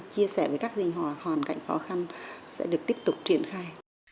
chia sẻ với các gia đình có hoàn cảnh khó khăn sẽ được tiếp tục triển khai